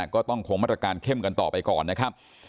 ก็ต้องคงมาตรการเข้มกันต่อไปก่อนนะครับ